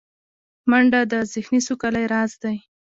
منډه د ذهني سوکالۍ راز دی